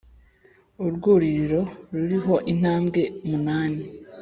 Urwuririro ruriho intambwe munani